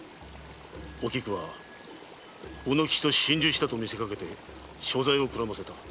おきくは卯之吉と心中したと見せかけて所在をくらませた。